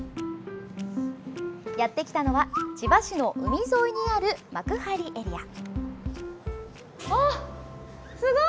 やってきたのは千葉市の海沿いにある幕張エリア。